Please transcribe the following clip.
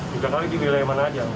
tiga kali di wilayah mana aja